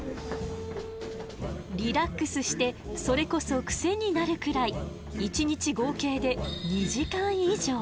リラックスしてそれこそクセになるくらい１日合計で２時間以上。